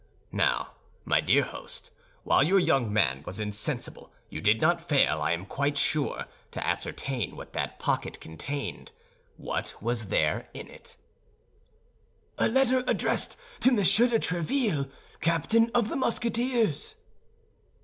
Now, my dear host, while your young man was insensible, you did not fail, I am quite sure, to ascertain what that pocket contained. What was there in it?" "A letter addressed to Monsieur de Tréville, captain of the Musketeers."